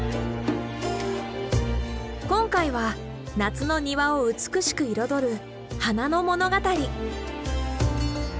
今回は夏の庭を美しく彩る花の物語。